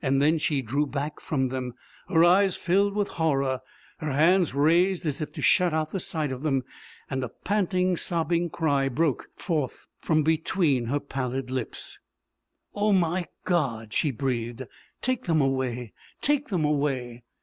Then she drew back from them, her eyes filled with horror, her hands raised as if to shut out the sight of them, and a panting, sobbing cry broke from between her pallid lips. "Oh, my God!" she breathed. "Take them away take them away!"